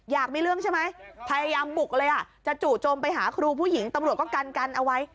อยากมีเรื่องใช่ไหมพยายามบุกเลยอ่ะจะจู่จมไปหาครูผู้หญิงตำรวจก็กันกันเอาไว้